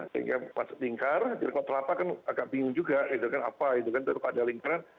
tingkat tingkat kalau telapak kan agak bingung juga itu kan apa itu kan ada lingkaran